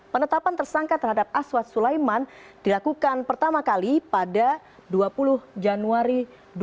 penetapan tersangka terhadap aswad sulaiman dilakukan pertama kali pada dua puluh januari dua ribu dua puluh